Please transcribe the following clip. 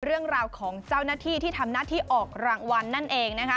เรื่องราวของเจ้าหน้าที่ที่ทำหน้าที่ออกรางวัลนั่นเองนะคะ